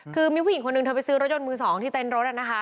คือมีผู้หญิงคนหนึ่งเธอไปซื้อรถยนต์มือสองที่เต้นรถนะคะ